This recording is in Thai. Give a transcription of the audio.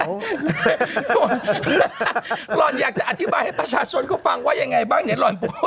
หล่อนอยากจะอธิบายให้ประชาชนก็ฟังว่ายังไงบ้างเนี่ยหล่อน